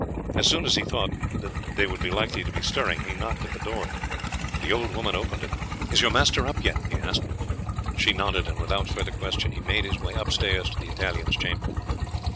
As soon as he thought that they would be likely to be stirring he knocked at the door. The old woman opened it. "Is your master up yet?" he asked. She nodded, and without further question he made his way upstairs to the Italian's chamber.